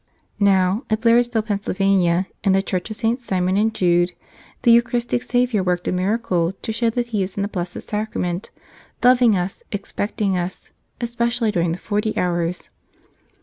Now, at Blairsville, Pa., in the church of Sts. Simon and Jude, the Eucharistic Savior worked a miracle to show that He is in the Blessed Sacrament, loving us, expecting us, especially during the Forty Hours.